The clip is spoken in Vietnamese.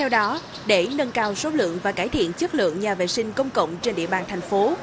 đó để nâng cao số lượng và cải thiện chất lượng nhà vệ sinh công cộng trên địa bàn thành phố